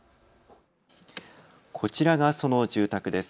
こちらが、その住宅です。